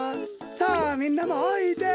さあみんなもおいで！